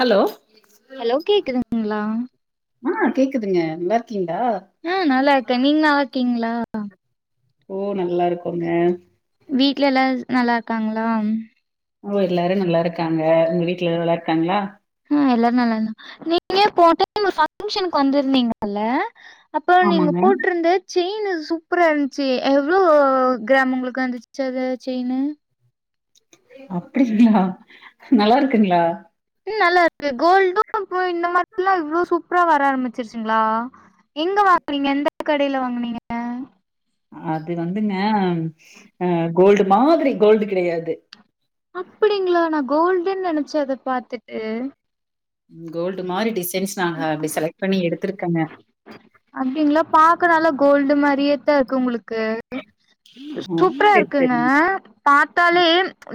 Hello hello கேக்குதுங்களா ஆ கேக்குதுங்க நல்லாருக் ஆ நல்லாருக்கே நீங்க நல்லாருக் கீங்களா ஓ நல்லா இருக்கோங்க வீட்ல எல்லா நல்லா இருக்காங்களா ஓ எல்லாரு நல்லா இருக்காங்க உங்க வீட்ல எல்லா நல்லா இருக்காங்களா ஆ எல்லாரு நல்லா இருந்தா நீங்க போன டைம் ஃபங்ஷன்க்கு வந்திருந்தீங்கள்ல அப்போ நீங்க ஆமாங்க போட்ருந்த செயின் சூப்பரா இருந்துச்சு எவ்ளோ கிராம் உங்களுக்கு வந்துச்சு அது செயினு அப்டிங்களா நல்லா இருக்குங்களா ம் நல்லா இருக்கு கோல்டு இப்ப இந்த மாரில்லா இவ்வளோ சூப்பரா வர ஆரம்பிச்சிருச்சிங்களா எங்க வாங்குனீங்க எந்த கடையில வாங்குனீங்க அது வந்துங்க அ கோல்டு மாதிரி கோல்டு கிடையாது அப்படிங்களா நா கோல்டுன் நெனைச்சே அத பாத்துட்டு கோல்டு மாறி டிஸ் சைன் நாங்க அப்டி செக் பண்ணி எடுத் த்து இருக்கங்க அப்டிங்களா பாக்க நல்லா கோல்டு மாரியே க்கு உங்களுக்கு ஓ சூப்பரா செரி இருக்குங்க செரிங்க பாத்தாலே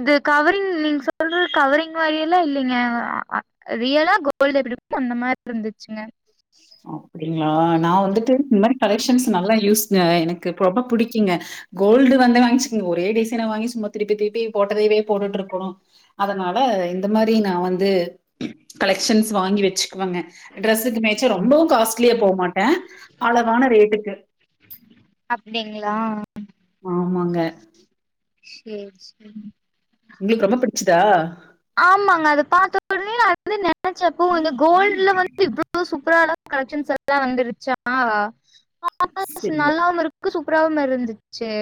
இது கவரிங் நீங்க சொல்றது கவரிங் வகை எல்லா இல்லைங்க ரியலா கோல்டு எப்படி அந்த மாரி இருந்துச்சுங்க அப்டி டிங்ளா நா வந்துட்டு இந்த மாரி கலெக்ஷன்ஸ் நல்லா யூஸ்ங்க எனக்கு ரொம்ப பிடிக் கிங்க கோல்டு வந்து வாங்கச்சிக்கங்க ஒரே டிசைன வாங்கி சும்மா திருப்பி திருப்பி போட்டதவே போட்டுட்டு இருக்கணும் அதனால இந்த மாரி நா வந்து கலெக்ஷன்ஸ் வாங்கி வச்சு வங்க டிரெஸ்ஸுக்கு மே சா ரொம்பவு காஸ்ட்லியா ப மாட்டே அளவான ரேட்டுக்கு அப்டிங்களா ஆமாங்க சேரி சேரி உங்களுக்கு ரொம்ப பிடிச்சுதா ஆமாங்க அத பாத்த உடனே நா வந்து நெனச்சே இதுவு இந்த கோல்டுல வந்து இவ்ளோ சூப்பரா கலக்சென்ஸ் எல்லா வந்துருச்சா [inaudible] சரிங்க, நல்லாவு இருக் சூப்பராவும் இருந்துச்சு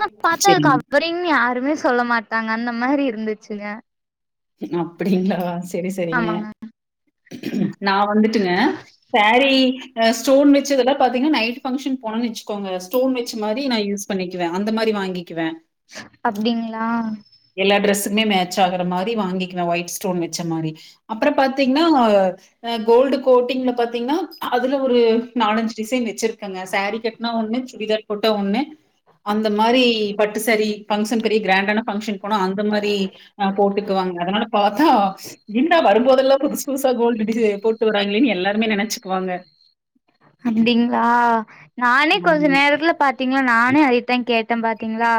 ஆனா பாத்தா சரிங்க. கவரிங்னு யாருமே சொல்ல மாட்டாங்க அந்த மாரி இருந்துச்சுங்க அப்டிங்களா சரி சரிங்க ஆமாங்க நா வந்துட்டுங்க சேரி அ ஸ்டோன் வெச்சதுல்லா பாத்தீங்ன்னா நைட்டு ஃபங்ஷன் போனுன் வெச்சுக்கோங்க ஸ்டோன் வெச்ச மாரி நா யூஸ் பண்ணிக்குவே அந்த மாரி வாங்கிக்குவே அப்டிங்ளா எல்லா டிரரெஸ்ஸுக்மே மேச்சாகுற மாரி வாங்கிக்குவே ஒயிட் ஸ்டோன் வெச்ச மாரி அப்பறம் பாத்தீங்ன்னா அ கோல்டு கோட்டிங்ல பாத்தீங்ன்னா அதுல ஒரு நாலஞ்சு டிசைன் வெச்சிர்க்கங்க சேரீ கெட்னா ஒண்ணு சுடிதார் போட்டா ஒண்ணு அந்த மாரி பட்டு சேரி ஃபங்க்ஷன் பெரிய க்ராண்டான பங்க்ஷன் போனா அந்த மாரி அ போட்டுக்குவங்க அதனால பாத்தா லிண்டா வரும்போதெல்லா புதுஸ் புதுசா கோல்டு டிசே போட்டு வறாங்களேன் எல்லாருமே நெனைச்சுக்குவாங்க அப்டிங்ளா நானே ஆமா கொஞ்ச நேரத்துல பாத்தீங்ளா நானே அதேதா கேட் டே பாத்தீங்ளா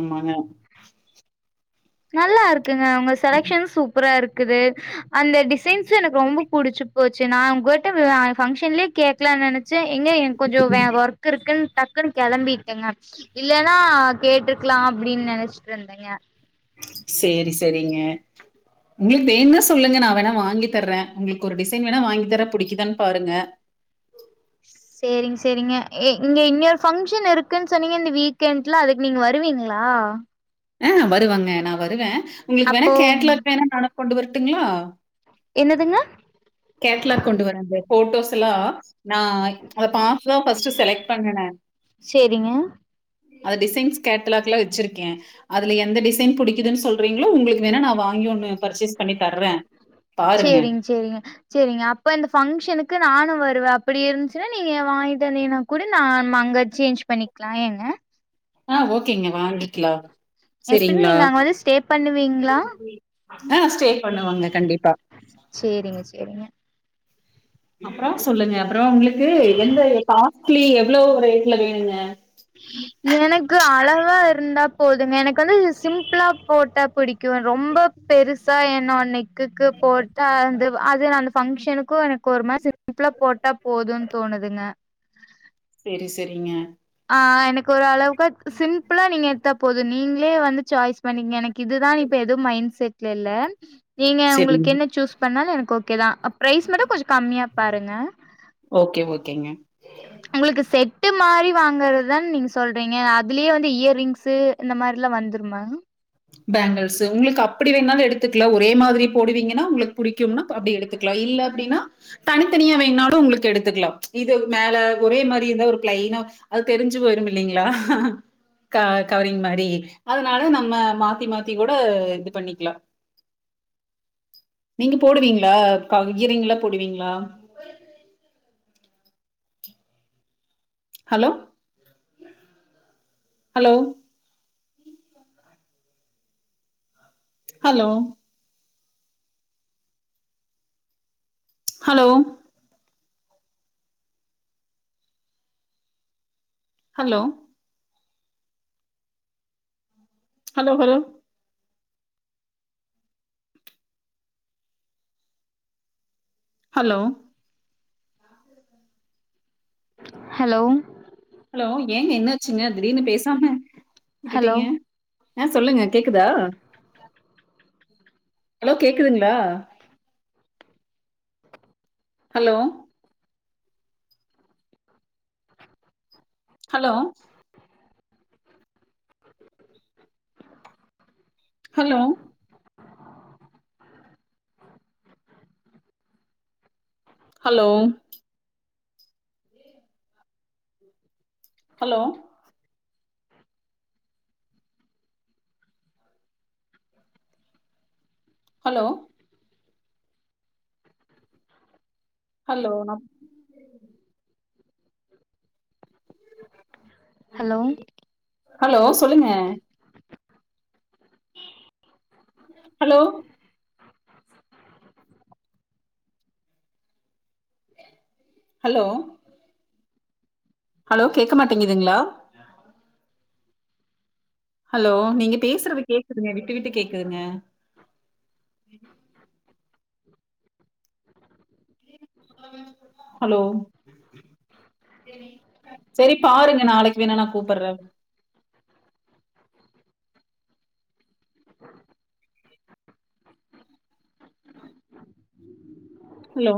ஆமாங்க நல்லா இருக் க்குங்க உங்க செலக்ஷன் சூப்பரா இருக் குது அந்த டிசைன்ஸ் எனக்கு ரொம்ப புடிச்சு போச்சு நா உங்கோட்ட அ ஃபங்க்ஷன்லே கேக்லா நெனச் சே எங்க என்கொஞ்சோ வே ஒர்க்குருக்குன் டக்குன்னு கெளம்பிட்டங்க இல்லனா கேட்டுருக்லா அப்டின் நெனச்சிட் இருந்தங்க செரி செரிங்க உங்ளுக் வேனுனா சொல்லுங்க நா வேணா வாங்கி தர்றே உங்ளுக் ஒரு டிசைன் வேணா வாங்கி தர புடிக்குதான் பாருங்க செரிங் செரிங்க இங்க இன்னொரு பஃங்க்ஷன் இருக்குன் சொன்னீங்க இந்த வீக்கெண்ட்ல அதுக் நீங்க வருவீங்ளா அ வருவங்க நா வருவே உங்ளுக் வேணா அப்போ கேட்லாக் வேணா [inaudible] கொண்டு வரட்டுங்ளா என்னதுங்க கேட்லாக் கொண்டு வரே [unintelligible] ஃபோட்டோஸெல்லா நா ச்ச் அத பாத்தா ஃபஸ்ட்டு செலக் பண்வே நானு சேரிங்க அது டிசைன்ஸ் கேட்டலாக்ல வெச்சிருக்கே அதுல எந்த டிசைன் புடிக்குதுன் சொல்றீங்ளோ உங்குளுக் பாருங்க. செரிங் செரிங்க செரிங்க அப்ப இந்த ஃபங்க்ஷனுக்கு நானு வருவே அப்புடி இருந்ச்சுனா நீங்க வாங்கிட்டு வந்திங்கனா கூட நாம் அங்க சேஞ்ச் பண்ணிக்லா ஏங்க அ ஓகேங்க வாங்கிக்லா எப்டின்னு செரிங்ளா நீங்க அங்க வந்து ஸ்டே பண்ணுவீங்களா அ ஸ்டே பண்ணுவங்க கண்டிப்பா சேரிங்க சேரிங்க அப்பறோ சொல்லுங்க அப்பறோ உங்ளுக்கு எந்த [inaudible] க்ளீ எவ்ளோ [unintelligible] இல்ல வேணுங்க எனக்கு அளவா இருந்தா போதுங்க எனக்கு வந்து சிம்பிளா போட்டா புடிக் ரொம்ப பெருசா எ நா அன்னைக் குக்கு போட்டு அந்த அது நா அந்த ஃபங்க்ஷனுக்கு எனக்கு ஒரு மாரி சிம்பிளா போட்டா போதுன் தோணுதுங்க செரி செரிங்க அ எனக்கொரு அளவுக்கு சிம்பிளா நீங்க எட்த்தா போது நீங்ளே வந்து சாய்ஸ் பண்ணிக்ங்க எனக்கு இது தா இப்ப எதுவு மைண் செட்ல இல்ல நீங்க செரிங்க உங்குளுக் என்ன சூஸ் பண்ணாலு எனக் ஓகேதா அப் பிரைஸ் மட்டு கொஞ்சோ கம்மியா பாருங்க ப ஓகே ஓகேங்க ட்டு மாறி வாங்குறதான் நீங்க சொல்றீங்க அதுலியே வந்து இயர்ரிங்ஸு இந்த மாரிலாம் வந்துருமா பேங்கிள்ஸு உங்களுக்கு அப்டி வேன்ணாலும் எடுத்துக்லாம் ஒரே மாதிரி போடுவீங்கன்னா உங்ளுக்கு புடிக்கிம்னா அப்டி எடுத்துக்லாம் இல்ல அப்டின்னா தனித்தனியா வேண்னாலும் உங்ளுக்கு எடுத்துக்லாம் இது மேல ஒரே மாரி இருந்தா ஒரு பிளைனா அது தெரிஞ்சு போயிரும் இல்லைங்ளா அ ஹ கவரிங் மாரி அதனால நம்ம மாத்தி மாத்தி கூட இது பண்ணிக்லாம் நீங்க போடுவீங்ளா கவ்இயர்ரிங்ளெ போடுவீங்ளா hello hello hello hello hello hello hello hello hello hello ஏங்க என்னாச்சுங்க திடீர்னு பேசாம ஹலோ விட்டுட்டீங்க ஆ சொல்லுங்க கேக்குதா ஹலோ கேக்குதுங்ளா hello hello hello hello hello hello hello நா ஹலோ ஹலோ சொல்லுங்க ஹலோ ஹலோ ஹலோ கேக்க மாட்டிக்கிதுங்ளா ஹலோ நீங்க பேசறது கேக்குதுங்க விட்டு விட்டு கேக்குதுங்க ஹலோ செரி பாருங்க நாளைக்கு வேணா நா கூப்பர்ற hello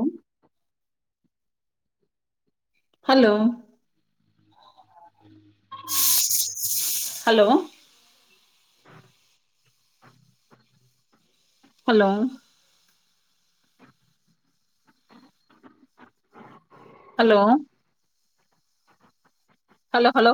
hello hello hello hello லோ ஹலோ